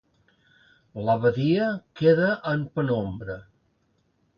La badia queda en penombra.